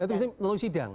itu bisa melalui sidang